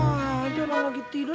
sakitin aja orang lagi tidur